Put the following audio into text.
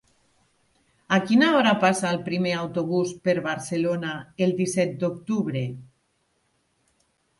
A quina hora passa el primer autobús per Barcelona el disset d'octubre?